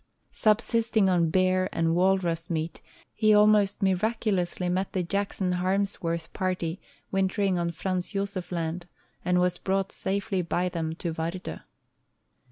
Subsisting on bear and walrus meat, he almost miraculously met the Jackson Harms worth party wintering on Franz Josef land and was brought safely by them to Vardo.